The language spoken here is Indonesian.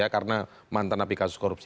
karena mantan api kasus korupsi